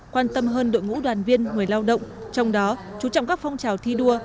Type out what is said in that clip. quan tâm hơn đội ngũ đoàn viên người lao động trong đó chú trọng các phong trào thi đua